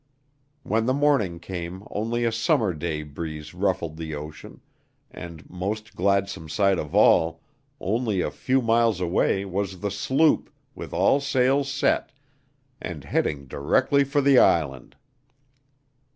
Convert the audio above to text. When the morning came only a summer day breeze ruffled the ocean, and, most gladsome sight of all, only a few miles away was the sloop, with all sails set, and heading directly for the island!